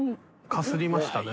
かすりましたね。